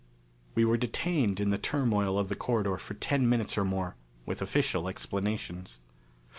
We were detained in the turmoil of the corridor for ten minutes or more with official explanations.